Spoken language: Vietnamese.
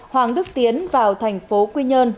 hoàng đức tiến vào thành phố quy nhơn